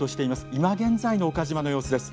今現在の岡島の様子です。